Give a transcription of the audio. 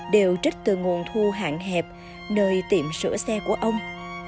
đều trích từ nguồn thu hạn hẹp nơi tiệm sửa xe của ông